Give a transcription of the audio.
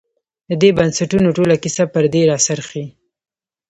د دې بنسټونو ټوله کیسه پر دې راڅرخي.